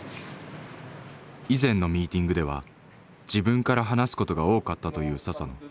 以前のミーティングでは自分から話すことが多かったという佐々野。